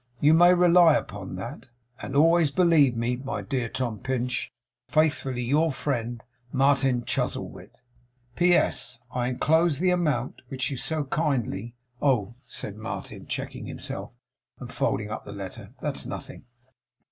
You may rely upon that. And always believe me, my dear Tom Pinch, faithfully your friend, Martin Chuzzlewit. P.S. I enclose the amount which you so kindly" Oh,' said Martin, checking himself, and folding up the letter, 'that's nothing!